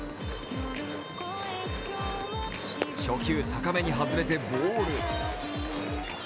初球、高めに外れてボール。